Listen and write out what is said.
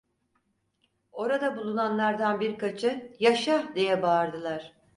Orada bulunanlardan birkaçı, yaşa, diye bağırdılar.